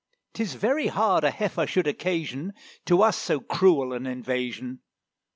'Tis very hard a heifer should occasion To us so cruel an invasion."